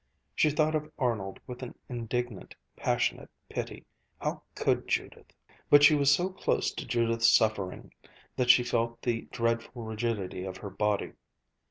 She thought of Arnold with an indignant, passionate pity how could Judith ? But she was so close to Judith's suffering that she felt the dreadful rigidity of her body.